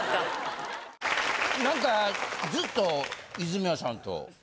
なんかずっと泉谷さんと。